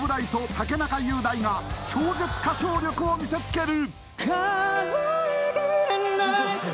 竹中雄大が超絶歌唱力を見せつける！